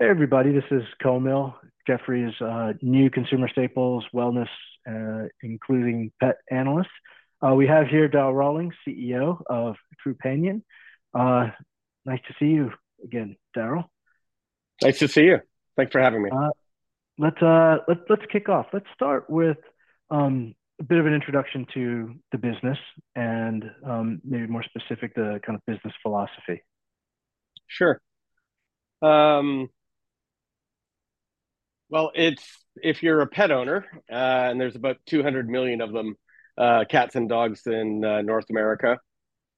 Hey, everybody, this is Kaumil, Jefferies' new Consumer Stapes Wellness, including Pet Analyst. We have here Darryl Rawlings, CEO of Trupanion. Nice to see you again, Darryl. Nice to see you. Thanks for having me. Let's kick off. Let's start with a bit of an introduction to the business and maybe more specific, the kind of business philosophy. Sure. Well, if you're a pet owner, and there's about 200 million of them, cats and dogs in North America,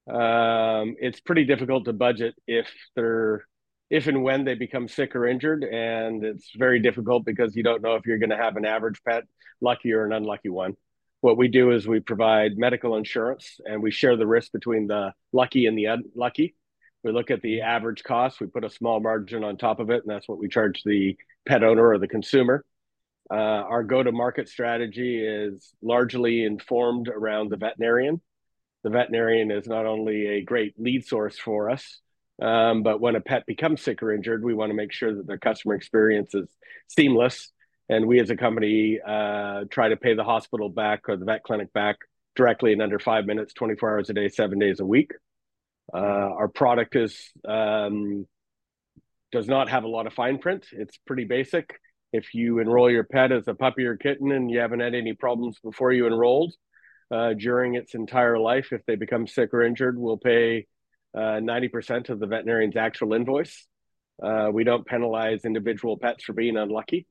it's pretty difficult to budget if and when they become sick or injured, and it's very difficult because you don't know if you're gonna have an average pet, lucky or an unlucky one. What we do is we provide medical insurance, and we share the risk between the lucky and the unlucky. We look at the average cost, we put a small margin on top of it, and that's what we charge the pet owner or the consumer. Our go-to-market strategy is largely informed around the veterinarian. The veterinarian is not only a great lead source for us, but when a pet becomes sick or injured, we want to make sure that their customer experience is seamless. We, as a company, try to pay the hospital back or the vet clinic back directly in under five minutes, 24 hours a day, seven days a week. Our product does not have a lot of fine print. It's pretty basic. If you enroll your pet as a puppy or kitten, and you haven't had any problems before you enrolled, during its entire life, if they become sick or injured, we'll pay 90% of the veterinarian's actual invoice. We don't penalize individual pets for being unlucky.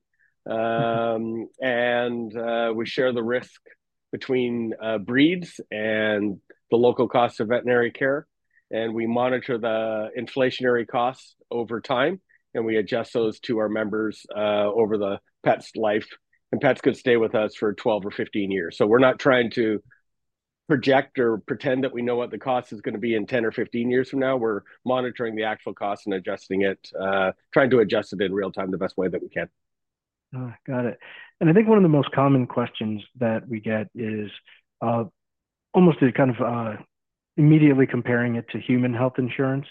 And we share the risk between breeds and the local cost of veterinary care, and we monitor the inflationary costs over time, and we adjust those to our members over the pet's life. Pets could stay with us for 12 or 15 years. So we're not trying to project or pretend that we know what the cost is gonna be in 10 or 15 years from now. We're monitoring the actual cost and adjusting it, trying to adjust it in real time, the best way that we can. Got it. I think one of the most common questions that we get is almost a kind of immediately comparing it to human health insurance.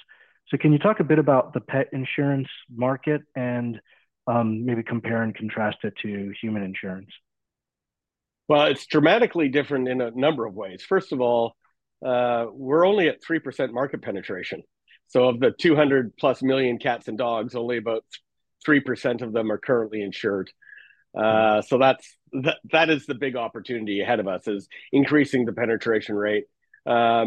Can you talk a bit about the pet insurance market and maybe compare and contrast it to human insurance? Well, it's dramatically different in a number of ways. First of all, we're only at 3% market penetration. So of the 200 million plus cats and dogs, only about 3% of them are currently insured. So that's the big opportunity ahead of us, is increasing the penetration rate.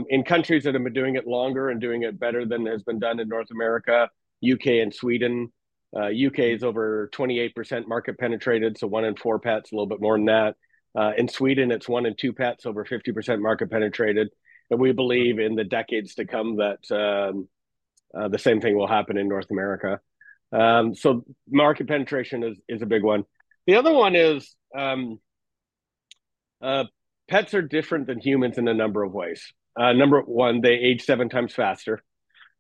In countries that have been doing it longer and doing it better than it has been done in North America, U.K. and Sweden. U.K. is over 28% market penetrated, so one in four pets, a little bit more than that. In Sweden, it's one in two pets, over 50% market penetrated. And we believe in the decades to come, that the same thing will happen in North America. So market penetration is a big one. The other one is, pets are different than humans in a number of ways. Number one, they age seven times faster.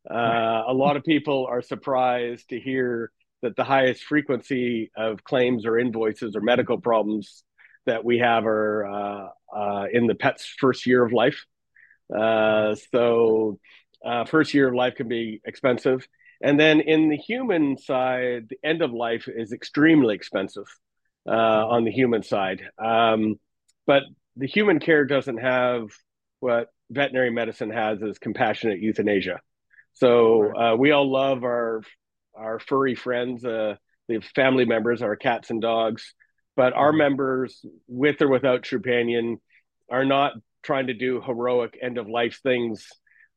Right. A lot of people are surprised to hear that the highest frequency of claims or invoices or medical problems that we have are in the pet's first year of life. So, first year of life can be expensive. And then in the human side, the end of life is extremely expensive on the human side. But the human care doesn't have what veterinary medicine has is compassionate euthanasia. Right. We all love our furry friends. They're family members, our cats and dogs. Mm-hmm. But our members, with or without Trupanion, are not trying to do heroic end-of-life things,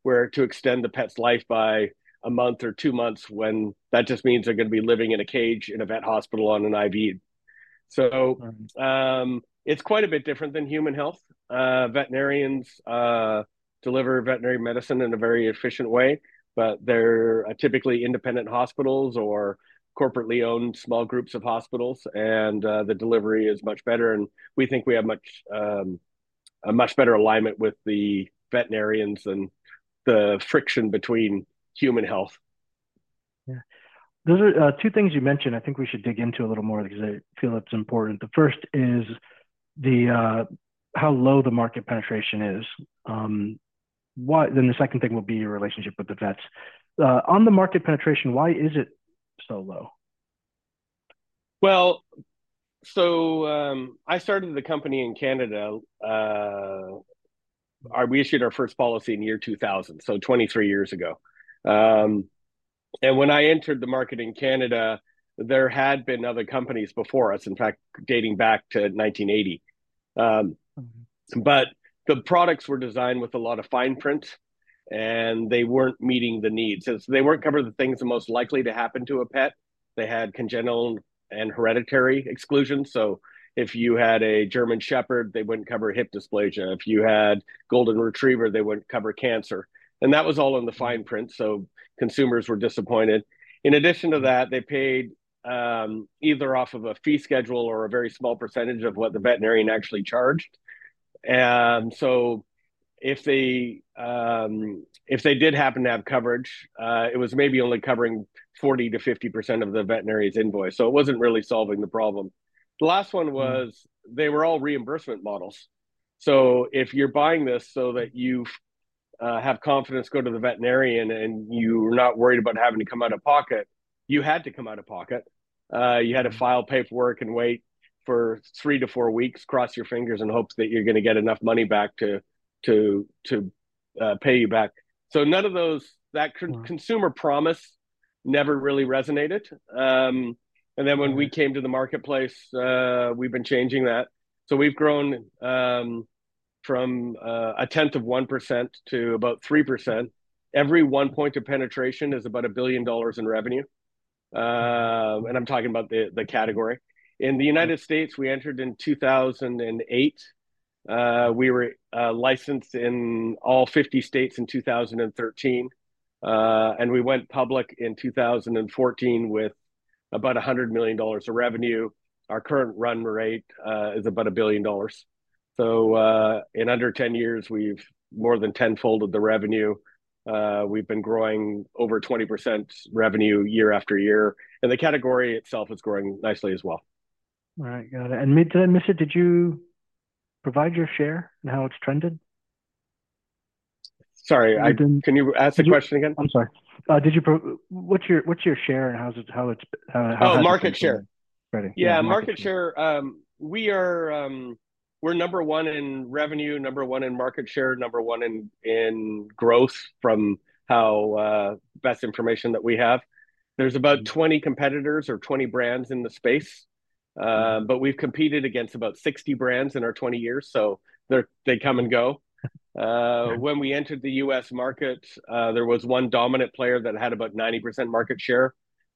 where to extend the pet's life by a month or two months, when that just means they're gonna be living in a cage in a vet hospital on an IV. Mm-hmm. It's quite a bit different than human health. Veterinarians deliver veterinary medicine in a very efficient way, but they're typically independent hospitals or corporately owned small groups of hospitals, and the delivery is much better. We think we have a much better alignment with the veterinarians than the friction between human health. Yeah. Those are two things you mentioned, I think we should dig into a little more because I feel it's important. The first is the how low the market penetration is. Why, then the second thing will be your relationship with the vets. On the market penetration, why is it so low? Well, so, I started the company in Canada. We issued our first policy in the year 2000, so 23 years ago. When I entered the market in Canada, there had been other companies before us, in fact, dating back to 1980. Mm-hmm.... but the products were designed with a lot of fine print, and they weren't meeting the needs. So they weren't covering the things most likely to happen to a pet. They had congenital and hereditary exclusions. So if you had a German Shepherd, they wouldn't cover hip dysplasia. If you had Golden Retriever, they wouldn't cover cancer. And that was all in the fine print, so consumers were disappointed. In addition to that, they paid, either off of a fee schedule or a very small percentage of what the veterinarian actually charged. And so if they, if they did happen to have coverage, it was maybe only covering 40%-50% of the veterinarian's invoice, so it wasn't really solving the problem. The last one was- Mm-hmm... they were all reimbursement models. So if you're buying this so that you have confidence, go to the veterinarian, and you're not worried about having to come out of pocket. You had to come out of pocket. You had to file paperwork and wait for three to four weeks, cross your fingers and hopes that you're gonna get enough money back to pay you back. So none of those- Right. that consumer promise never really resonated. And then when we came- Right... to the marketplace, we've been changing that. So we've grown from a tenth of 1% to about 3%. Every one point of penetration is about $1 billion in revenue. And I'm talking about the category. In the United States, we entered in 2008. We were licensed in all 50 states in 2013. And we went public in 2014 with about $100 million of revenue. Our current run rate is about $1 billion. So in under 10 years, we've more than 10-folded the revenue. We've been growing over 20% revenue year-after-year, and the category itself is growing nicely as well. All right, got it. And then, Mr., did you provide your share and how it's trended? Sorry, I- You didn't- Can you ask the question again? I'm sorry. Did you what's your, what's your share, and how is it, how it's, how it's- Oh, market share. Right. Yeah, market share, we are, we're number one in revenue, number one in market share, number one in growth from best information that we have. Mm. There's about 20 competitors or 20 brands in the space. But we've competed against about 60 brands in our 20 years, so they come and go. Yeah. When we entered the U.S. market, there was one dominant player that had about 90% market share,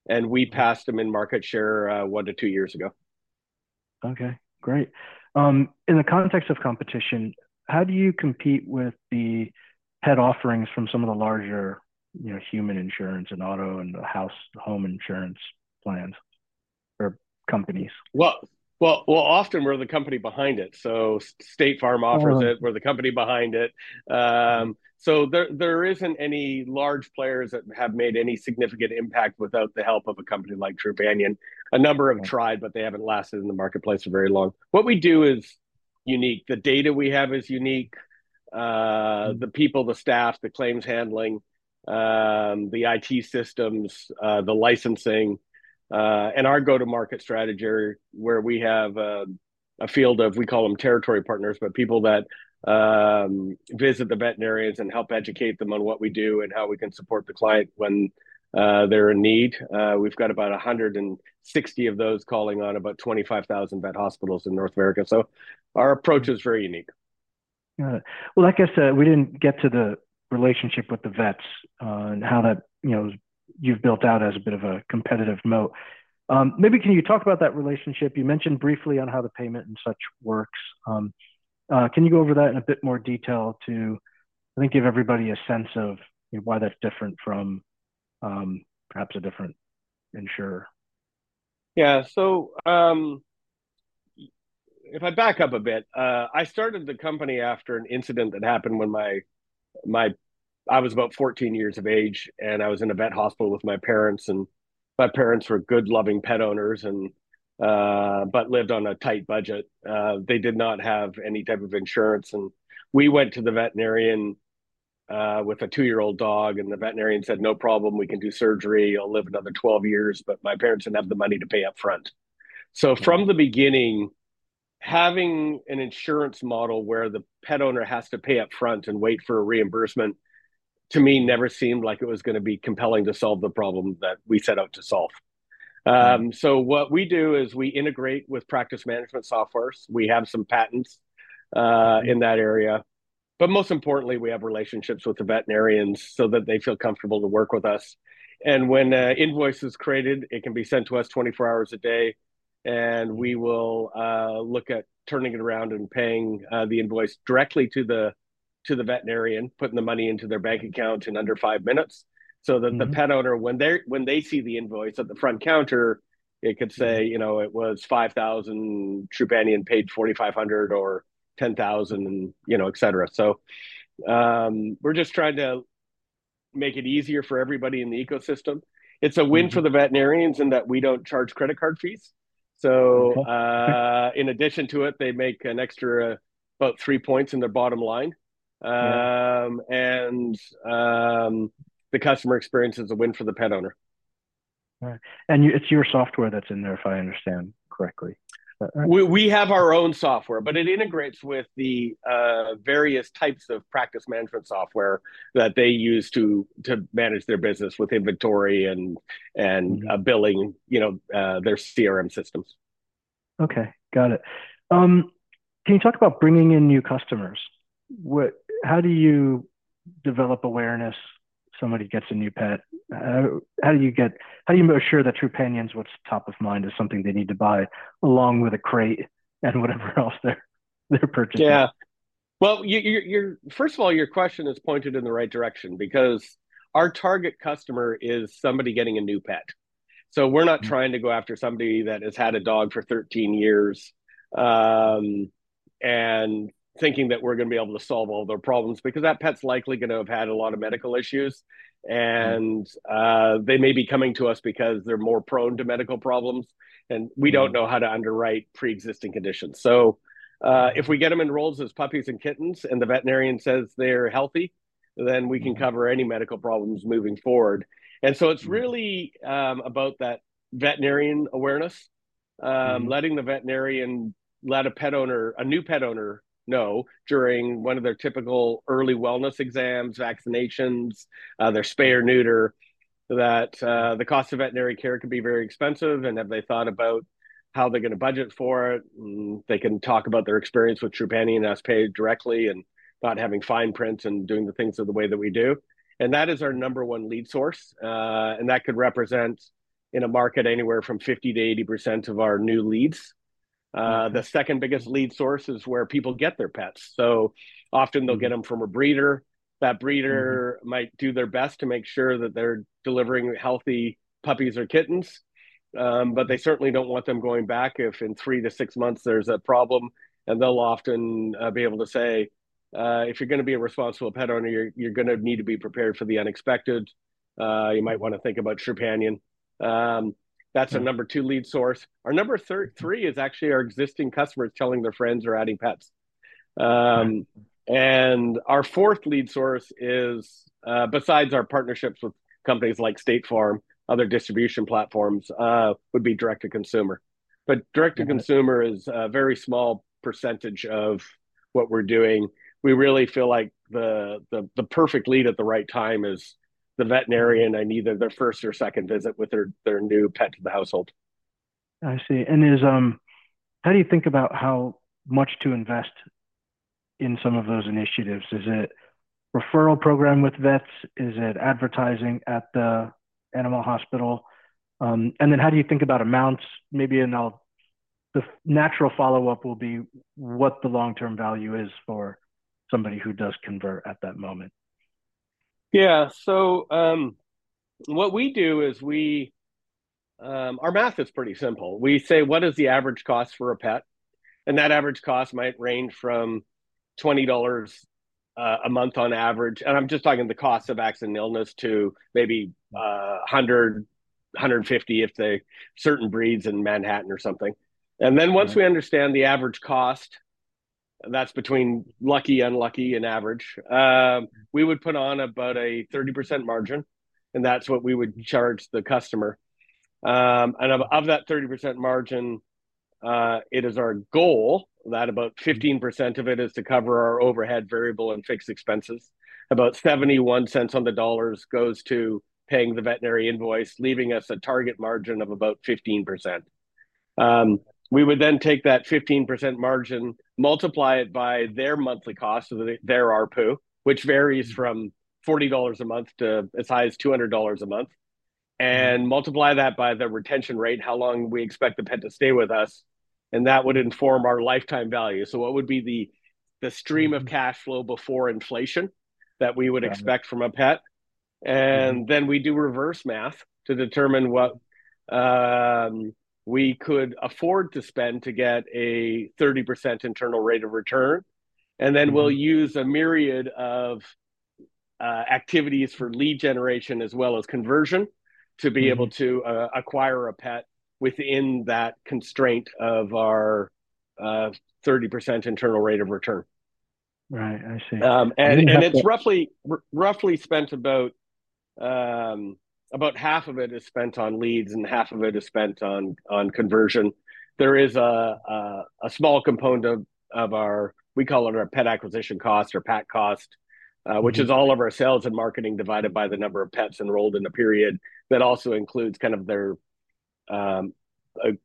and we passed them in market share one to two years ago. Okay, great. In the context of competition, how do you compete with the pet offerings from some of the larger, you know, human insurance and auto and the house, home insurance plans or companies? Well, well, well, often we're the company behind it, so State Farm offers it. Oh... we're the company behind it. So there isn't any large players that have made any significant impact without the help of a company like Trupanion. Right. A number have tried, but they haven't lasted in the marketplace for very long. What we do is unique. The data we have is unique, the people, the staff, the claims handling, the IT systems, the licensing, and our go-to-market strategy, where we have, a field of, we call them Territory Partners, but people that, visit the veterinarians and help educate them on what we do and how we can support the client when, they're in need. We've got about 160 of those calling on about 25,000 vet hospitals in North America, so our approach is very unique. Got it. Well, like I said, we didn't get to the relationship with the vets, and how that, you know, you've built out as a bit of a competitive moat. Maybe can you talk about that relationship? You mentioned briefly on how the payment and such works. Can you go over that in a bit more detail to, I think, give everybody a sense of, you know, why that's different from, perhaps a different insurer? Yeah. So, if I back up a bit, I started the company after an incident that happened when I was about 14 years of age, and I was in a vet hospital with my parents, and my parents were good, loving pet owners and, but lived on a tight budget. They did not have any type of insurance, and we went to the veterinarian with a two-year-old dog, and the veterinarian said: "No problem, we can do surgery. He'll live another 12 years." But my parents didn't have the money to pay upfront. Mm. From the beginning, having an insurance model where the pet owner has to pay upfront and wait for a reimbursement, to me, never seemed like it was gonna be compelling to solve the problem that we set out to solve. Mm. So what we do is we integrate with practice management softwares. We have some patents in that area, but most importantly, we have relationships with the veterinarians so that they feel comfortable to work with us. And when an invoice is created, it can be sent to us 24 hours a day, and we will look at turning it around and paying the invoice directly to the veterinarian, putting the money into their bank account in under five minutes. Mm. So that the pet owner, when they see the invoice at the front counter, it could say, you know, it was $5,000, Trupanion paid $4,500 or $10,000 and, you know, et cetera. So, we're just trying to make it easier for everybody in the ecosystem. Mm. It's a win for the veterinarians in that we don't charge credit card fees. Okay. In addition to it, they make an extra about three points in their bottom line. Yeah. The customer experience is a win for the pet owner. Right. And it's your software that's in there, if I understand correctly. Right? We have our own software, but it integrates with the various types of Practice Management Software that they use to manage their business with inventory and... Mm... billing, you know, their CRM systems. Okay, got it. Can you talk about bringing in new customers? What? How do you develop awareness somebody gets a new pet? How do you make sure that Trupanion's, what's top of mind, is something they need to buy, along with a crate and whatever else they're purchasing? Yeah. Well, you're... First of all, your question is pointed in the right direction because our target customer is somebody getting a new pet. Mm. So we're not trying to go after somebody that has had a dog for 13 years, and thinking that we're gonna be able to solve all their problems because that pet's likely gonna have had a lot of medical issues. Mm. They may be coming to us because they're more prone to medical problems, and- Mm... we don't know how to underwrite pre-existing conditions. So, if we get them enrolled as puppies and kittens, and the veterinarian says they're healthy, then we can cover any medical problems moving forward. And so it's really about that veterinarian awareness, letting the veterinarian let a pet owner, a new pet owner know during one of their typical early wellness exams, vaccinations, their spay or neuter, that the cost of veterinary care can be very expensive, and have they thought about how they're gonna budget for it? They can talk about their experience with Trupanion and us pay directly, and not having fine prints and doing the things the way that we do. And that is our number one lead source. And that could represent, in a market, anywhere from 50%-80% of our new leads. The second biggest lead source is where people get their pets. So often, they'll get them from a breeder. That breeder- Mm-hmm... might do their best to make sure that they're delivering healthy puppies or kittens, but they certainly don't want them going back if in three to six months there's a problem, and they'll often be able to say, "If you're gonna be a responsible pet owner, you're gonna need to be prepared for the unexpected. You might wanna think about Trupanion." That's- Mm... our number two lead source. Our number three is actually our existing customers telling their friends or adding pets. And our fourth lead source is, besides our partnerships with companies like State Farm, other distribution platforms, would be direct-to-consumer. Got it. But direct-to-consumer is a very small percentage of what we're doing. We really feel like the perfect lead at the right time is the veterinarian on either their first or second visit with their new pet to the household. I see. How do you think about how much to invest in some of those initiatives? Is it referral program with vets? Is it advertising at the animal hospital? And then how do you think about amounts? Maybe, and I'll, the natural follow-up will be what the long-term value is for somebody who does convert at that moment. Yeah. So, what we do is we... Our math is pretty simple. We say, "What is the average cost for a pet?" That average cost might range from $20 a month on average, and I'm just talking the cost of accident and illness, to maybe $100-$150 for certain breeds in Manhattan or something. Yeah. And then once we understand the average cost, that's between lucky, unlucky, and average, we would put on about a 30% margin, and that's what we would charge the customer. And of, of that 30% margin, it is our goal that about 15% of it is to cover our overhead variable and fixed expenses. About $0.71 on the dollar goes to paying the veterinary invoice, leaving us a target margin of about 15%. We would then take that 15% margin, multiply it by their monthly cost, so their ARPU, which varies from $40 a month to as high as $200 a month, and multiply that by the retention rate, how long we expect the pet to stay with us, and that would inform our lifetime value. So what would be the, the stream- Mm... of cash flow before inflation that we would- Right... expect from a pet? Mm-hmm. And then we do reverse math to determine what we could afford to spend to get a 30% internal rate of return. Mm-hmm. And then we'll use a myriad of activities for lead generation as well as conversion- Mm-hmm... to be able to acquire a pet within that constraint of our 30% Internal Rate of Return. Right, I see. Um, and, and- And then-... it's roughly spent about half of it is spent on leads, and half of it is spent on conversion. There is a small component of our; we call it our pet acquisition cost or PAC cost. Mm... which is all of our sales and marketing divided by the number of pets enrolled in a period. That also includes kind of their, a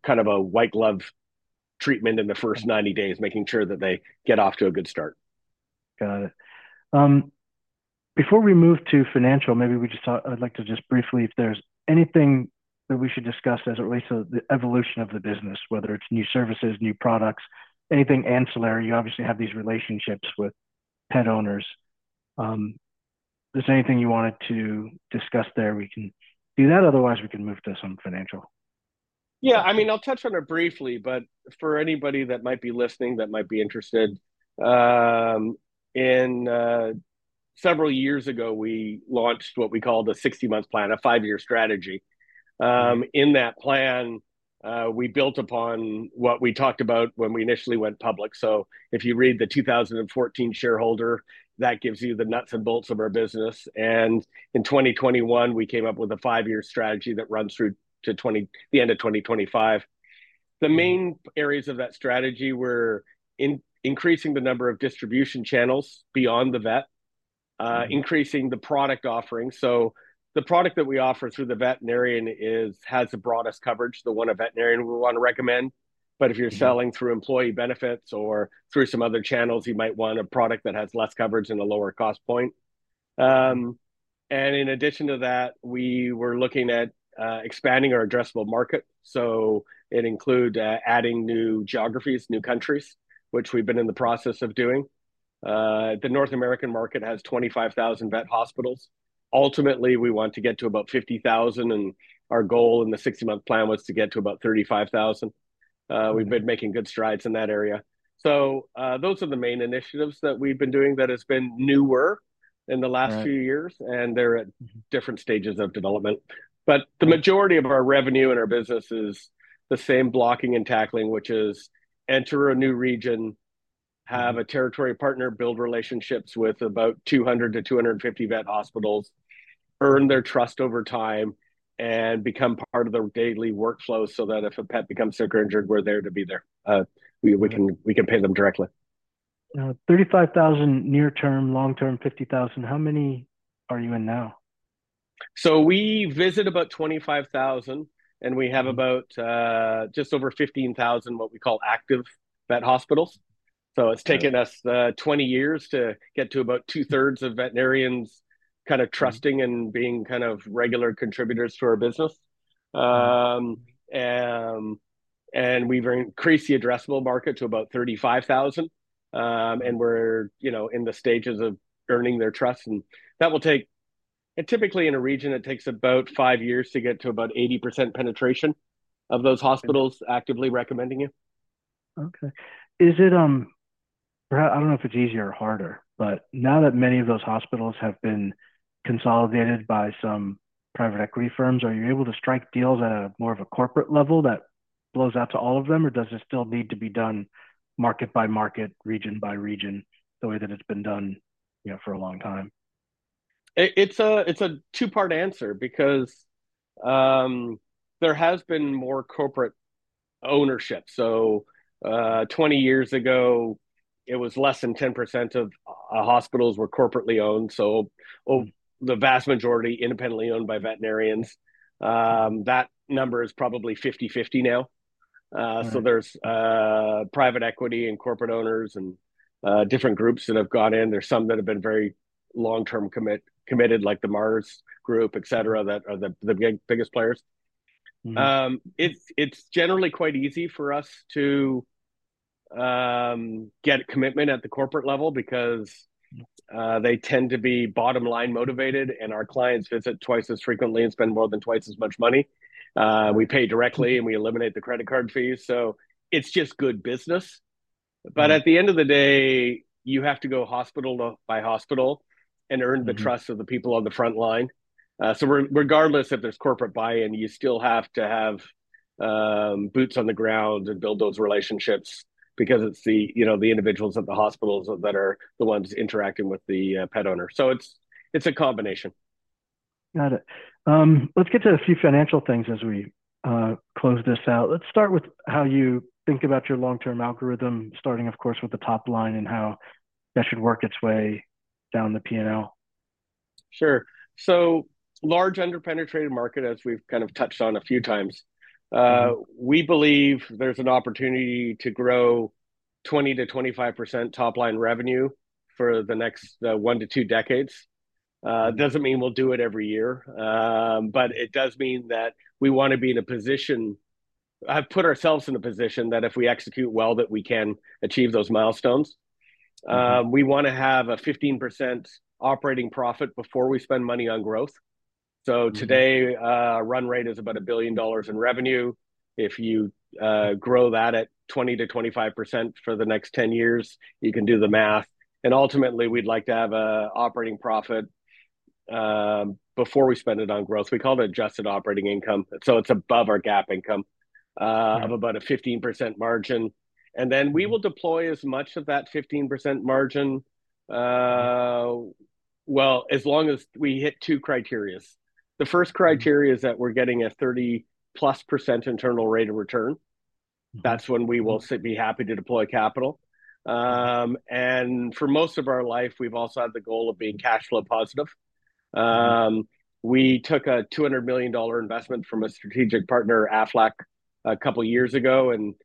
kind of a white glove treatment in the first 90 days, making sure that they get off to a good start. Got it. Before we move to financial, maybe we just—I'd like to just briefly, if there's anything that we should discuss as it relates to the evolution of the business, whether it's new services, new products, anything ancillary. You obviously have these relationships with pet owners. If there's anything you wanted to discuss there, we can do that. Otherwise, we can move to some financial. Yeah, I mean, I'll touch on it briefly, but for anybody that might be listening that might be interested in... Several years ago, we launched what we call the 60-month plan, a five-year strategy. In that plan, we built upon what we talked about when we initially went public. So if you read the 2014 shareholder, that gives you the nuts and bolts of our business. And in 2021, we came up with a five-year strategy that runs through to the end of 2025. The main areas of that strategy were in increasing the number of distribution channels beyond the vet- Mm... increasing the product offerings. So the product that we offer through the veterinarian is, has the broadest coverage, the one a veterinarian would want to recommend. Mm. But if you're selling through employee benefits or through some other channels, you might want a product that has less coverage and a lower cost point. And in addition to that, we were looking at expanding our addressable market. So to include adding new geographies, new countries, which we've been in the process of doing. The North American market has 25,000 vet hospitals. Ultimately, we want to get to about 50,000, and our goal in the 60-month plan was to get to about 35,000. We've been making good strides in that area. So those are the main initiatives that we've been doing that has been newer in the last few years- Right... and they're at different stages of development. But the majority of our revenue in our business is the same blocking and tackling, which is have a territory partner build relationships with about 200-250 vet hospitals, earn their trust over time, and become part of their daily workflow, so that if a pet becomes sick or injured, we're there to be there. We can pay them directly. 35,000 near term, long term, 50,000. How many are you in now? So we visit about 25,000, and we have about just over 15,000, what we call active vet hospitals. So it's taken us 20 years to get to about two-thirds of veterinarians kind of trusting and being kind of regular contributors to our business. And we've increased the addressable market to about 35,000. And we're, you know, in the stages of earning their trust, and that will take, typically, in a region, it takes about five years to get to about 80% penetration of those hospitals- Right... actively recommending you. Okay. Is it, perhaps, I don't know if it's easier or harder, but now that many of those hospitals have been consolidated by some private equity firms, are you able to strike deals at a more of a corporate level that flows out to all of them, or does it still need to be done market by market, region by region, the way that it's been done, you know, for a long time? It's a two-part answer because there has been more corporate ownership. So, 20 years ago, it was less than 10% of hospitals were corporately owned, so the vast majority independently owned by veterinarians. That number is probably 50/50 now. Right. So there's private equity and corporate owners and different groups that have gone in. There's some that have been very long-term committed, like the Mars group, et cetera, that are the biggest players. Mm-hmm. It's generally quite easy for us to get commitment at the corporate level because they tend to be bottom-line motivated, and our clients visit twice as frequently and spend more than twice as much money. We pay directly, and we eliminate the credit card fees, so it's just good business. Right. But at the end of the day, you have to go hospital by hospital and earn- Mm-hmm... the trust of the people on the front line. So regardless if there's corporate buy-in, you still have to have boots on the ground and build those relationships because it's the, you know, the individuals at the hospitals that are the ones interacting with the pet owner. So it's a combination. Got it. Let's get to a few financial things as we close this out. Let's start with how you think about your long-term algorithm, starting, of course, with the top line and how that should work its way down the P&L. Sure. So large, underpenetrated market, as we've kind of touched on a few times. Mm-hmm. We believe there's an opportunity to grow 20%-25% top-line revenue for the next one to two decades. Doesn't mean we'll do it every year, but it does mean that we want to be in a position... have put ourselves in a position that if we execute well, that we can achieve those milestones. Mm-hmm. We wanna have a 15% operating profit before we spend money on growth. Mm-hmm. So today, run rate is about $1 billion in revenue. If you, grow that at 20%-25% for the next 10 years, you can do the math. And ultimately, we'd like to have a operating profit, before we spend it on growth. We call it adjusted operating income. So it's above our GAAP income. Right... of about a 15% margin, and then we will deploy as much of that 15% margin, well, as long as we hit two criteria. Mm-hmm. The first criteria is that we're getting a 30+% Internal Rate of Return. Mm-hmm. That's when we will be happy to deploy capital. And for most of our life, we've also had the goal of being cash flow positive. Mm-hmm. We took a $200 million investment from a strategic partner, Aflac, a couple of years ago, and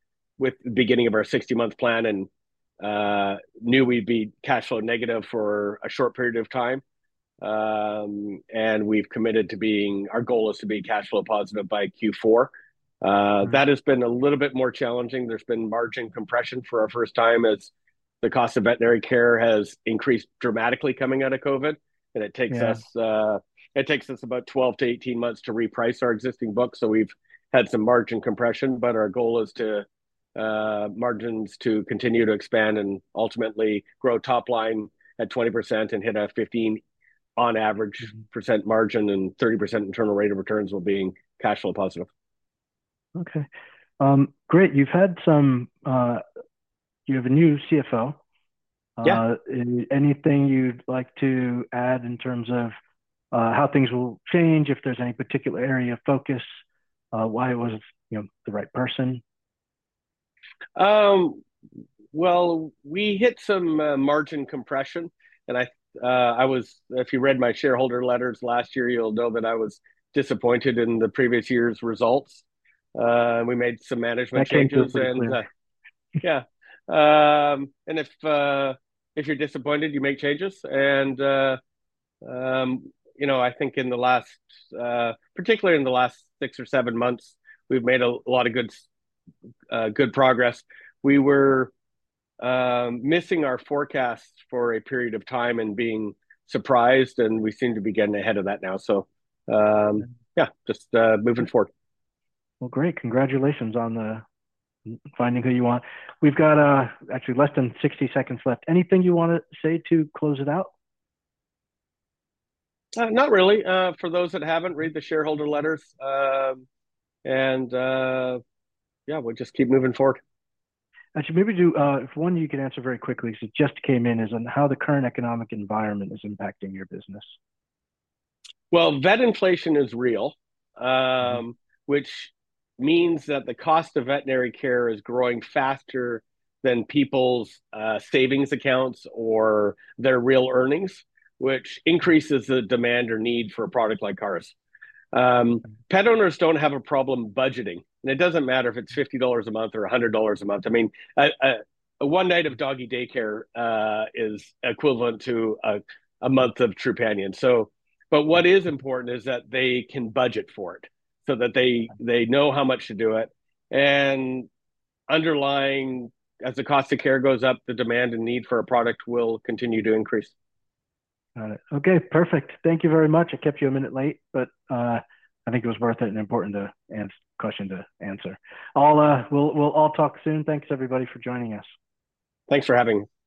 with the beginning of our 60-month plan and knew we'd be cash flow negative for a short period of time. And we've committed to being— our goal is to be cash flow positive by Q4. Mm-hmm. That has been a little bit more challenging. There's been margin compression for our first time as the cost of veterinary care has increased dramatically coming out of COVID, and it takes us- Yeah... it takes us about 12-18 months to reprice our existing book, so we've had some margin compression. But our goal is to margins to continue to expand and ultimately grow top line at 20% and hit a 15%, on average, percent margin and 30% internal rate of returns while being cash flow positive. Okay. Great, you have a new CFO. Yeah. Anything you'd like to add in terms of how things will change, if there's any particular area of focus, why it was, you know, the right person? Well, we hit some margin compression, and I was. If you read my shareholder letters last year, you'll know that I was disappointed in the previous year's results. We made some management changes. I came through clearly.... and, yeah. And if you're disappointed, you make changes. And you know, I think in the last, particularly in the last six or seven months, we've made a lot of good progress. We were missing our forecasts for a period of time and being surprised, and we seem to be getting ahead of that now. So, yeah, just moving forward. Well, great. Congratulations on finding who you want. We've got, actually, less than 60 seconds left. Anything you wanna say to close it out? Not really. For those that haven't read the shareholder letters, yeah, we'll just keep moving forward. I should maybe do one you can answer very quickly, so it just came in, is on how the current economic environment is impacting your business. Well, vet inflation is real. Mm-hmm... which means that the cost of veterinary care is growing faster than people's savings accounts or their real earnings, which increases the demand or need for a product like ours. Pet owners don't have a problem budgeting, and it doesn't matter if it's $50 a month or $100 a month. I mean, one night of doggy daycare is equivalent to a month of Trupanion. So, but what is important is that they can budget for it, so that they know how much to do it. And underlying, as the cost of care goes up, the demand and need for a product will continue to increase. Got it. Okay, perfect. Thank you very much. I kept you a minute late, but I think it was worth it and important to answer the question. I'll... We'll all talk soon. Thanks, everybody, for joining us. Thanks for having me. Bye.